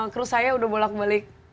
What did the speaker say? terus saya udah bolak balik